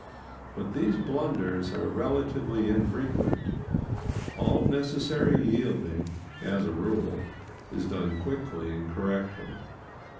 But these blunders are relatively infrequent: all necessary yielding, as a rule, is done quickly and correctly.